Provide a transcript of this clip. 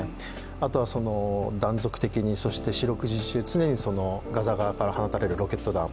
あとは、断続的にそして四六時中常にガザ側から放たれるロケット弾。